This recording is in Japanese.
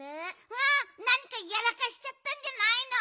あっなにかやらかしちゃったんじゃないの？